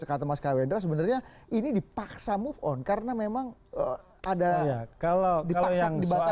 kata mas kawendra sebenarnya ini dipaksa move on karena memang ada dipaksa dibatasi